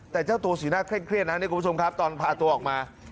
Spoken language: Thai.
แต่เจ้าตัวสีหน้าเคร่งเครียดนะนี่คุณผู้ชมครับตอนพาตัวออกมา